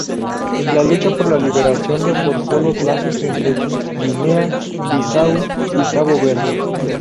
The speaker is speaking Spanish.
La lucha por la liberación reforzó los lazos entre Guinea-Bissau y Cabo Verde.